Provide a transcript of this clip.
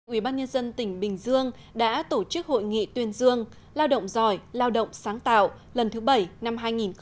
ubnd tỉnh bình dương đã tổ chức hội nghị tuyên dương lao động giỏi lao động sáng tạo lần thứ bảy năm hai nghìn một mươi chín